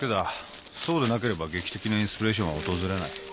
そうでなければ劇的なインスピレーションは訪れない。